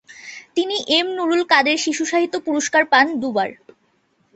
তিনি এম নুরুল কাদের শিশুসাহিত্য পুরস্কার পান দু'বার।